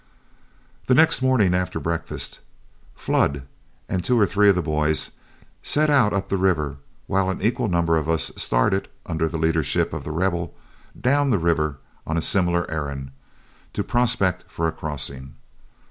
The next morning after breakfast, Flood and two or three of the boys set out up the river, while an equal number of us started, under the leadership of The Rebel, down the river on a similar errand, to prospect for a crossing.